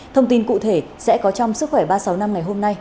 thông tin cụ thể sẽ có trong sức khỏe ba trăm sáu mươi năm ngày hôm nay